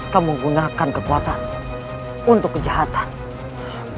kamu menggunakan kekuatan untuk kejahatan